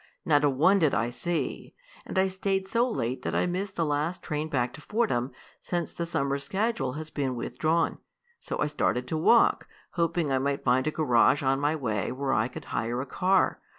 Not a one did I see. And I stayed so late that I missed the last train back to Fordham, since the summer schedule has been withdrawn. So I started to walk, hoping I might find a garage on my way where I could hire a car.